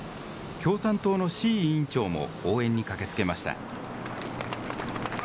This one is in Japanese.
共産党の志位委員長も応援に駆けつけました。